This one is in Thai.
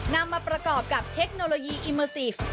นำมาประกอบกับเทคโนโลยีอิเมอร์ซีกส์